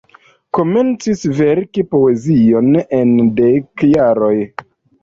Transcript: Komencis verki poezion en dek jaroj.